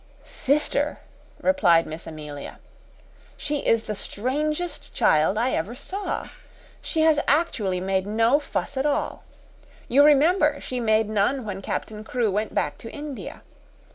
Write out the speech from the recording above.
"Sister," replied Miss Amelia, "she is the strangest child I ever saw. She has actually made no fuss at all. You remember she made none when Captain Crewe went back to India.